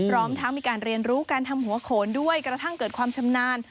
พร้อมทั้งมีการเรียนรู้การทำหัวโขนด้วยกระทั่งเกิดความชำนาญ